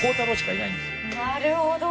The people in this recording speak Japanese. なるほど。